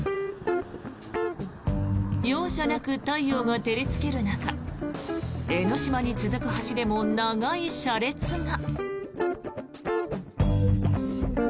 容赦なく太陽が照りつける中江の島に続く橋でも長い車列が。